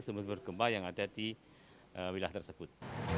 sumber sumber gempa yang ada di wilayah tersebut